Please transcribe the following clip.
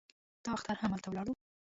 دا اختر هم هلته ولاړو.